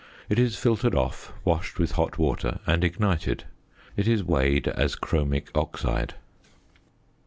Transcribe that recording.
It is filtered off, washed with hot water, and ignited. It is weighed as chromic oxide.